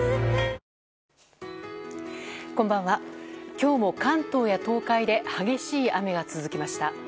今日も関東や東海で激しい雨が続きました。